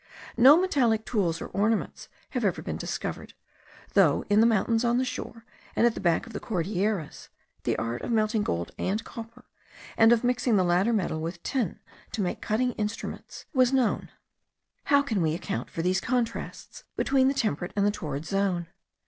No metallic tools or ornaments have ever been discovered; though in the mountains on the shore, and at the back of the Cordilleras, the art of melting gold and copper, and of mixing the latter metal with tin to make cutting instruments, was known. How can we account for these contrasts between the temperate and the torrid zone?